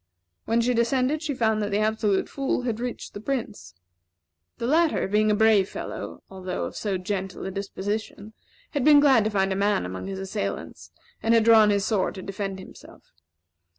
When she descended she found that the Absolute Fool had reached the Prince. The latter, being a brave fellow, although of so gentle a disposition, had been glad to find a man among his assailants, and had drawn his sword to defend himself.